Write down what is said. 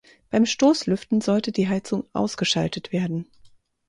Beim Stoßlüften sollte die Heizung ausgeschaltet werden.